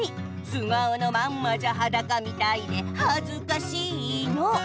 「素顔のままじゃはだかみたいではずかしいの！」